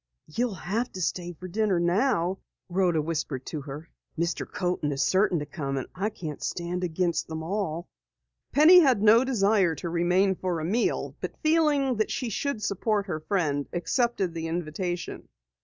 "You'll have to stay to dinner now," Rhoda whispered to her. "Mr. Coaten is certain to come, and I can't stand against them all." Penny had no desire to remain for a meal, but feeling that she should support her friend, accepted the invitation.